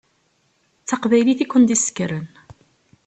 D taqbaylit i ken-id-yessekren.